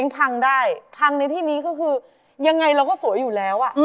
พังในที่นี้คือยังไงเราก็สวยอยู่แล้ว